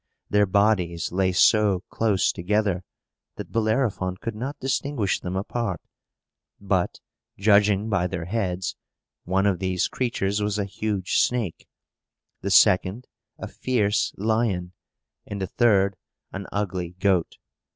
Their bodies lay so close together that Bellerophon could not distinguish them apart; but, judging by their heads, one of these creatures was a huge snake, the second a fierce lion, and the third an ugly goat.